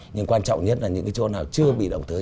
nhưng quan trọng nhất là những cái chỗ nào chưa bị động tới